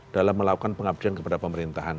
dalam melakukan pengabdian kepada pemerintahan